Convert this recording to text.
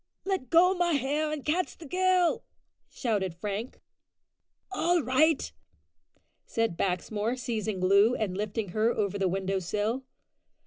"Let go my hair, and catch the girl!" shouted Frank. "All right," said Baxmore, seizing Loo and lifting her over the window sill.